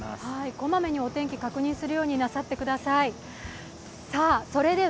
こまめにお天気確認するようになさってください。